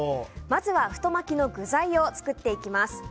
まずは太巻きの具材を作っていきます。